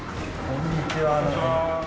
・こんにちは。